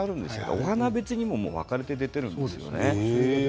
お花別に分かれて出ているんです。